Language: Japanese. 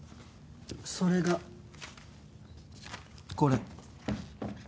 それがこれ。